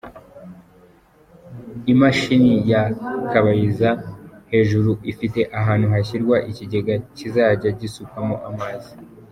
Imashini ya Kabayiza hejuru ifite ahantu hazashyirwa ikigega kizajya gisukwamo amazi.